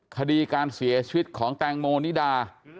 คดีการเสียชีวิตของแตงโมนิดา